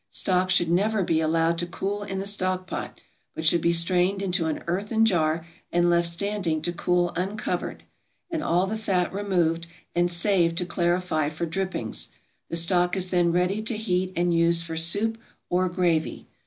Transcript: Stock should never be allowed to cool in the stock pot, but should be strained into an earthen jar, and left standing to cool uncovered, and all the fat removed, and saved to clarify for drippings; the stock is then ready to heat and use for soup, or gravy.